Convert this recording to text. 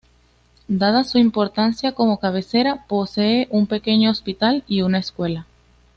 Dada su importancia como cabecera, posee un pequeño hospital y una escuela.